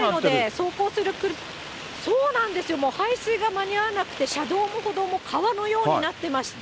走行する車、そうなんですよ、排水が間に合わなくて、車道も歩道も川のようになってまして。